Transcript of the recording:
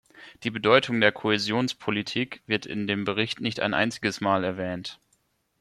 Die Bedeutung der Kohäsionspolitik wird in dem Bericht nicht ein einziges Mal erwähnt.